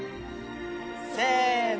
せの。